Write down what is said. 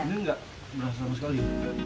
ini nggak berasa sama sekali